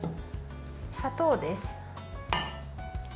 砂糖です。